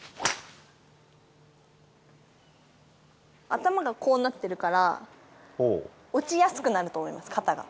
頭がこうなってるから、落ちやすくなると思います、肩が。